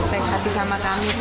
baik hati sama kami sudah menerima